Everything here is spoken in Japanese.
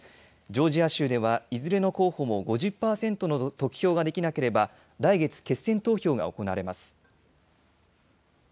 ジョージア州ではいずれの候補も５０％の得票ができなければ来月、決選投票が行われます。